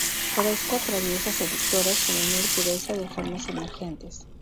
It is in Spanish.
Fresca, traviesa, seductoras, juvenil pureza de formas emergentes.